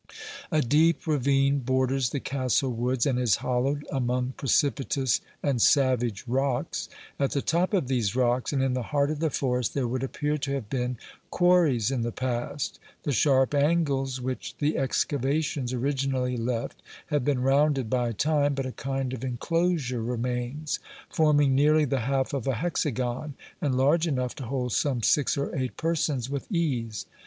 A deep ravine borders the castle woods and is hollowed among precipitous and savage rocks. At the top of these rocks, and in the heart of the forest, there would appear to have been quarries in the past ; the sharp angles which the excavations originally left have been rounded by time, but OBERMANN 245 a kind of enclosure remains, forming nearly the half of a hexagon, and large enough to hold some six or eight persons with ease.